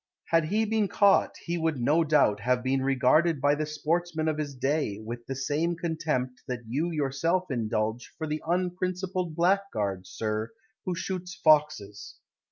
Had he been caught He would no doubt have been regarded By the sportsmen of his day With the same contempt That you yourself indulge For the unprincipled blackguard, Sir, Who shoots foxes.